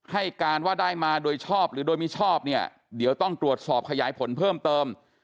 ให้การว่าได้มาโดยชอบหรือโดยมิชอบเนี่ยเดี๋ยวต้องตรวจสอบขยายผลเพิ่มเติม